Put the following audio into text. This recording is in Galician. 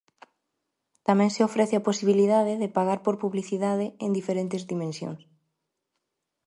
Tamén se ofrece a posibilidade de pagar por publicidade en diferentes dimensións.